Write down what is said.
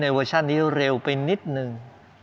ในเวอร์ชันนี้เนียร์เร่ไปนิดหนึ่ง